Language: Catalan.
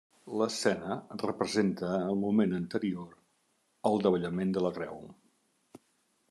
L'escena representa el moment anterior al davallament de la creu.